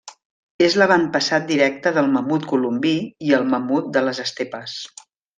És l'avantpassat directe del mamut colombí i el mamut de les estepes.